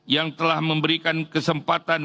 yang telah memberikan kesempatan